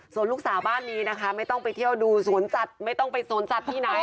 ส่วนลูกสาวบ้านนี้นะคะไม่ต้องไปเที่ยวดูสวนสัตว์ไม่ต้องไปสวนสัตว์ที่ไหน